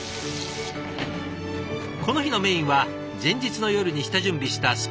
この日のメインは前日の夜に下準備したスパイシーチキン。